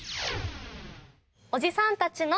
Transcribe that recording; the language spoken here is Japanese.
おじさんたちの。